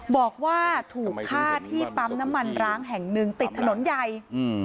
บอกว่าถูกฆ่าที่ปั๊มน้ำมันร้างแห่งหนึ่งติดถนนใหญ่อืม